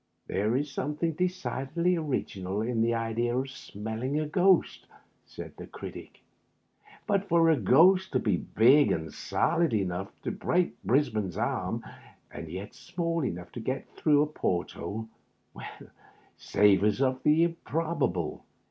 ^'" There is something decidedly original in the idea of smelling a ghost," said the Oritic, " but for a ghost to be big and solid enough to break Brisbane's arm, and yet small enough to get through a port hole, savors of the improbable.